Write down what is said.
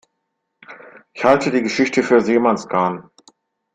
Ich halte die Geschichte für Seemannsgarn.